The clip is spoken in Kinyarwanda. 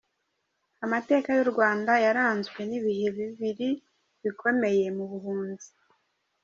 Amateka y’u Rwanda yaranzwe n’ibihe bibiri bikomeye mu buhunzi.